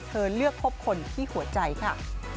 เธอเลือกพบคนที่หัวใจค่ะ